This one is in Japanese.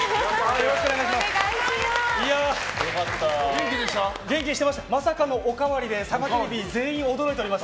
よろしくお願いします。